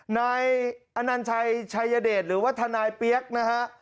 นายอนัญชัยชัยเดชหรือว่าทนายเปี๊ยกนะฮะ